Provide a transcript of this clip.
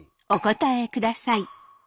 お答えください。